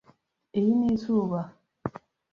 Iyi ni izuba.